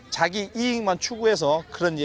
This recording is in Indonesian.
tapi jika anda mencari keuntungan